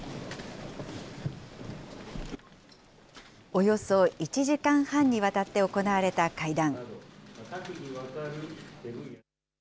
およそ１時間半にわたって行われた会談。